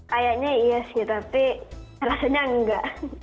kayaknya iya sih tapi rasanya enggak